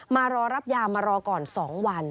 มารอรับยามารอก่อน๒วัน